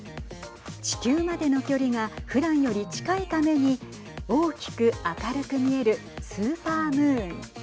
地球までの距離がふだんより近いために大きく、明るく見えるスーパームーン。